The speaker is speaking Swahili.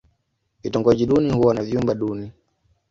Vitongoji duni huwa na vyumba duni.